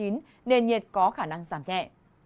nền nhiệt có khả năng giảm nhẹ